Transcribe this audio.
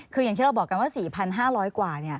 คืออย่างที่เราบอกกันว่า๔๕๐๐กว่า